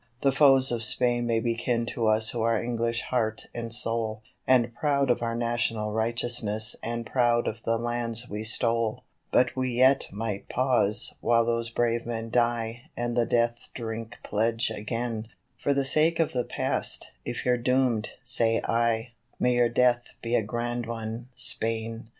The foes of Spain may be kin to us who are English heart and soul, And proud of our national righteousness and proud of the lands we stole; But we yet might pause while those brave men die and the death drink pledge again For the sake of the past, if you're doomed, say I, may your death be a grand one, Spain!